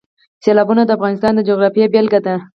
سیلابونه د افغانستان د جغرافیې بېلګه ده.